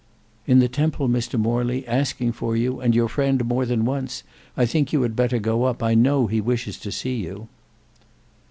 "In the Temple, Mr Morley, asking for you and your friend more than once. I think you had better go up. I know he wishes to see you."